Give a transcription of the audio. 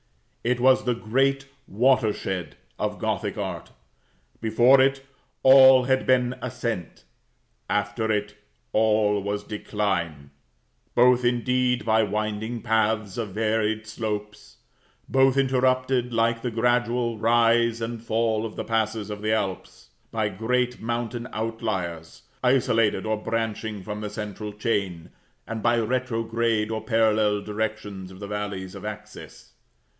It was the great watershed of Gothic art. Before it, all had been ascent; after it, all was decline; both, indeed, by winding paths and varied slopes; both interrupted, like the gradual rise and fall of the passes of the Alps, by great mountain outliers, isolated or branching from the central chain, and by retrograde or parallel directions of the valleys of access.